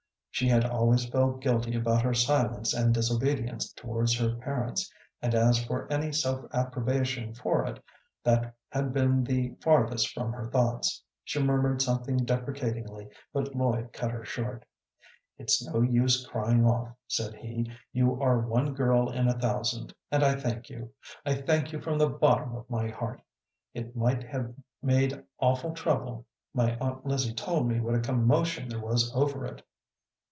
She had always felt guilty about her silence and disobedience towards her parents, and as for any self approbation for it, that had been the farthest from her thoughts. She murmured something deprecatingly, but Lloyd cut her short. "It's no use crying off," said he; "you are one girl in a thousand, and I thank you, I thank you from the bottom of my heart. It might have made awful trouble. My aunt Lizzie told me what a commotion there was over it."